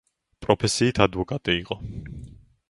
პროფესიით იყო ადვოკატი.